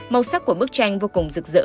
màu sắc của bức tranh vô cùng rực rỡ